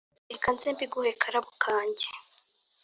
reka nze mbiguhe karabo kanjye,